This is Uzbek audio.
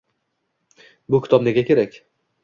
Bu kitob nega kerak?